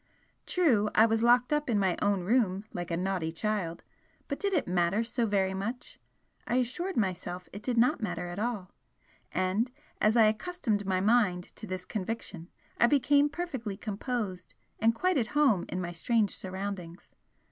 True, I was locked up in my own room like a naughty child, but did it matter so very much? I assured myself it did not matter at all, and as I accustomed my mind to this conviction I became perfectly composed and quite at home in my strange surroundings.